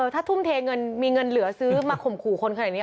ถ้าทุ่มเทเงินมีเงินเหลือซื้อมาข่มขู่คนขนาดนี้